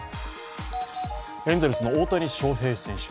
エンゼルスの大谷翔平選手